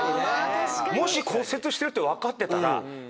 もし骨折してるって分かってたら。